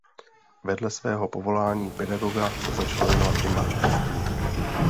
Vedle svého povolání pedagoga se začal věnovat i malířství.